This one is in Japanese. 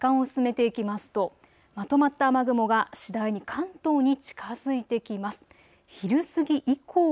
このあと時間を進めていきますとまとまった雨雲が次第に関東に近づいてきます。